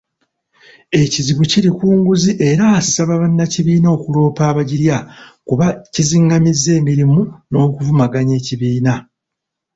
Ekizibu kiri ku nguzi era asaba bannakibiina okuloopa abagirya kuba kizing'amya emirimu n'okuvumaganya ekibiina.